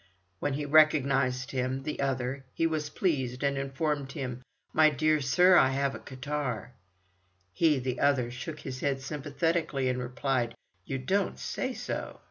When he recognized him, the other, he was pleased and informed him: "My dear sir, I have a catarrh." He, the other, shook his head sympathetically, and replied: "You don't say so!"